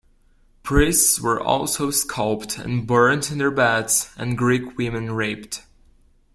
Priests were also scalped and burnt in their beds and Greek women raped.